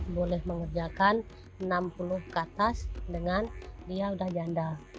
boleh mengerjakan enam puluh ke atas dengan dia sudah janda